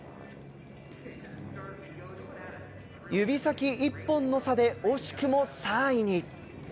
指先１本の差で惜しくも３位に。